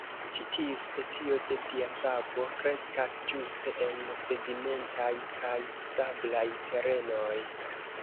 Ĉi tiu specio de piasabo kreskas ĝuste en sedimentaj kaj sablaj terenoj.